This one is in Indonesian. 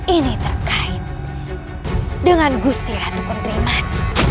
ini terkait dengan gusti ratu kuntriman